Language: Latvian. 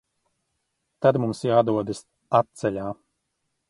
Tad mums jādodas atceļā.